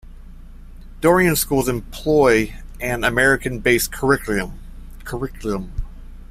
Dhahran schools employ an American-based curriculum.